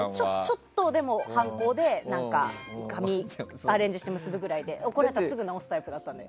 ちょっと反抗で髪アレンジして結ぶぐらいで、怒られたらすぐ直すタイプです。